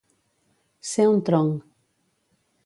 Ser un tronc.